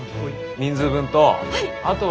人数分と。